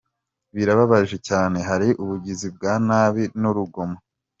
Birababaje cyane, hari ubugizi bwa nabi n’urugomo.